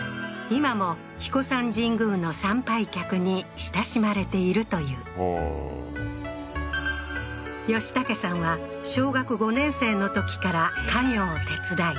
今も英彦山神宮の参拝客に親しまれているというほう嘉丈さんは小学５年生のときから家業を手伝い